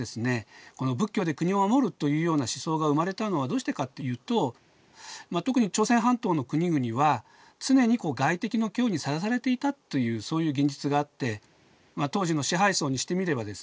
この仏教で国を護るというような思想が生まれたのはどうしてかっていうと特に朝鮮半島の国々は常に外敵の脅威にさらされていたというそういう現実があって当時の支配層にしてみればですね